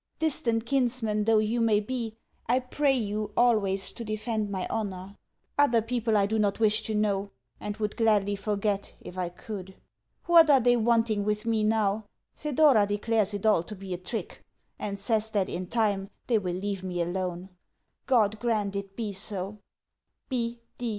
Distant kinsman though you may be, I pray you always to defend my honour. Other people I do not wish to know, and would gladly forget if I could.... What are they wanting with me now? Thedora declares it all to be a trick, and says that in time they will leave me alone. God grant it be so!